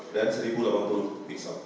dan seribu delapan puluh piksel